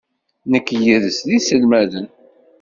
Nekk yid-s d iselmaden.